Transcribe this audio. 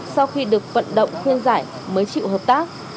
sau khi được vận động khuyên giải mới chịu hợp tác